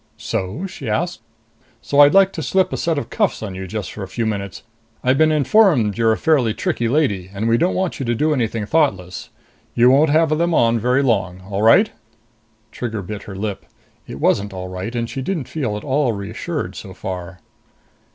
"So?" she asked. "So I'd like to slip a set of cuffs on you for just a few minutes. I've been informed you're a fairly tricky lady, and we don't want you to do anything thoughtless. You won't have them on very long. All right?" Trigger bit her lip. It wasn't all right, and she didn't feel at all reassured so far.